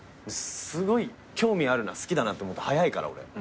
すごい興味あるな好きだなって思うと早いから俺。